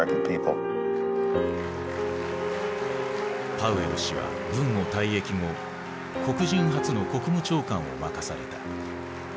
パウエル氏は軍を退役後黒人初の国務長官を任された。